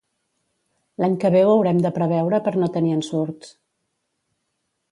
L'any que ve ho haurem de preveure per no tenir ensurts